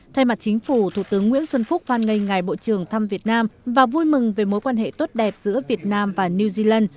thay mặt chính phủ thủ tướng nguyễn xuân phúc hoan nghênh ngài bộ trưởng thăm việt nam và vui mừng về mối quan hệ tốt đẹp giữa việt nam và new zealand